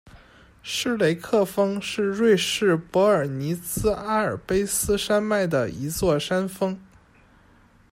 施雷克峰是瑞士伯尔尼兹阿尔卑斯山脉的一座山峰。